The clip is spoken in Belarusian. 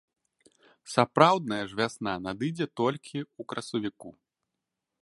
Сапраўдная ж вясна надыдзе толькі ў красавіку.